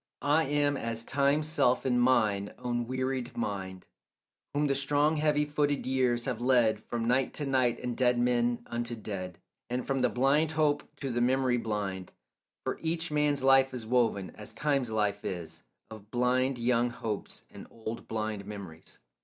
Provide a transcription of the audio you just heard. I am as Time's self in mine own wearied mind, Whom the strong heavy footed years have led From night to night and dead men unto dead, And from the blind hope to the memory blind; For each man's life is woven, as Time's life is, Of blind young hopes and old blind memories.